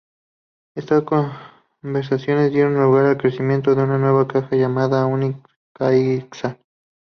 Estas conversaciones dieron lugar a la creación de una nueva caja llamada Unnim Caixa.